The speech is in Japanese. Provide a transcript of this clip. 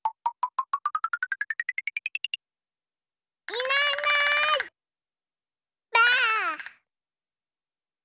いないいないばあっ！